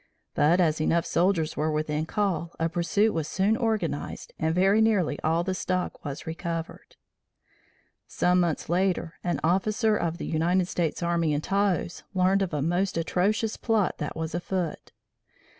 But as enough soldiers were within call, a pursuit was soon organized and very nearly all the stock was recovered. Some months later an officer of the United States Army in Taos learned of a most atrocious plot that was on foot.